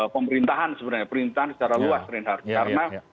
pemerintahan sebenarnya pemerintahan secara luas renhard karena